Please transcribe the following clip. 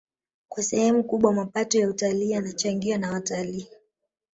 Kwa sehemu kubwa mapato ya utalii yanachangiwa na watalii